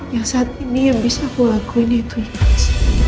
yang saat ini yang bisa aku lakuin itu ya